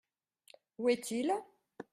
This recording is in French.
Où est-il ?